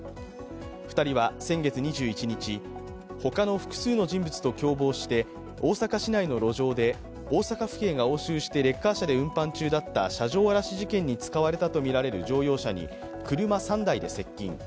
２人は先月２１日、他の複数の人物と共謀して大阪市内の路上で大阪府警が押収してレッカー車で移動中だった車上荒らし事件に使われたとみられる乗用車に車３台で接近。